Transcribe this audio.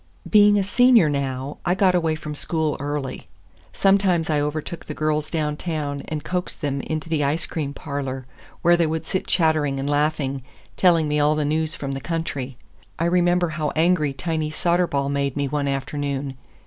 Being a Senior now, I got away from school early. Sometimes I overtook the girls downtown and coaxed them into the ice cream parlor, where they would sit chattering and laughing, telling me all the news from the country. I remember how angry Tiny Soderball made me one afternoon.